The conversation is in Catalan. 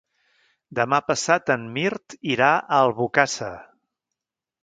Demà passat en Mirt irà a Albocàsser.